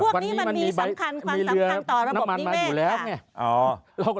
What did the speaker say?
พวกนี้มันมีสำคัญความสำคัญต่อระบบนี้แม่งค่ะ